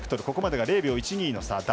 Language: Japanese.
ここまでが０秒１２の差。